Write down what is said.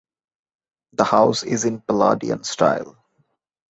The house is in Palladian style.